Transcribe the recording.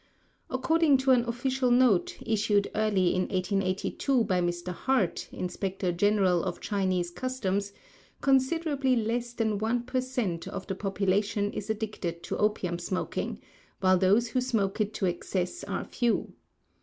According to an official note, issued early in 1882, by Mr. Hart, Inspector General of Chinese Customs, considerably less than one per cent, of the population is addicted to opium smoking, while those who smoke it to excess are few.